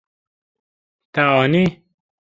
Te anî.